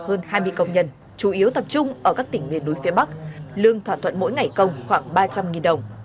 hơn hai mươi công nhân chủ yếu tập trung ở các tỉnh miền núi phía bắc lương thỏa thuận mỗi ngày công khoảng ba trăm linh đồng